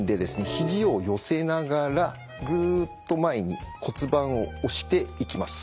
ひじを寄せながらグッと前に骨盤を押していきます。